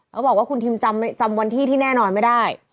เขาบอกว่าคุณทิมจำวันที่ที่แน่นอนไม่ได้